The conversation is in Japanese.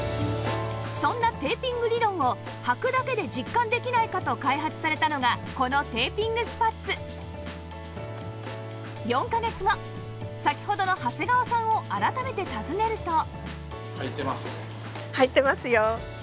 そんなテーピング理論をはくだけで実感できないかと開発されたのがこのテーピングスパッツ４カ月後先ほどの長谷川さんを改めて訪ねると